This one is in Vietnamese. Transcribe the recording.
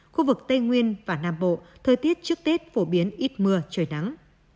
khu vực tây nguyên và nam bộ thời tiết trước tết phổ biến ít mưa trời nắng